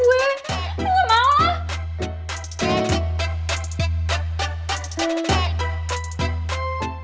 gue gak mau lah